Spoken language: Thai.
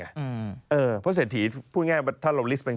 เพราะเศรษฐีพูดง่ายว่าถ้าเราลิสต์เป็น